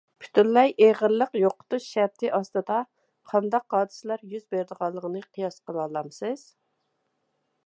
پۈتۈنلەي ئېغىرلىق يوقىتىش شەرتى ئاستىدا قانداق ھادىسىلەر يۈز بېرىدىغانلىقىنى قىياس قىلالامسىز؟